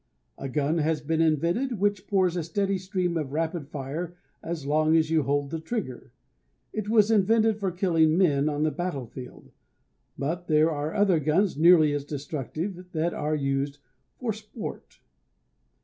A gun has been invented which pours a steady stream of rapid fire as long as you hold the trigger. It was invented for killing men on the battlefield; but there are other guns nearly as destructive that are used for "sport."